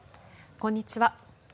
こんにちは。